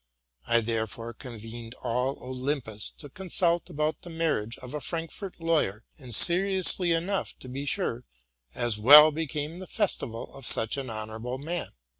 I therefore convened all Olympus to consult about the marriage of a Frankfort lawyer, and seriously enough, to be sure, as well became the festival of such an honorable man.